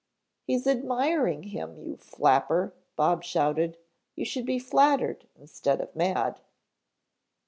"He's admiring him, you flapper," Bob shouted. "You should be flattered instead of mad."